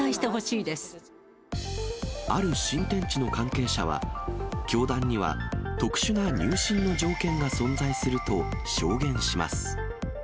ある新天地の関係者は、教団には特殊な入信の条件が存在すると証言します。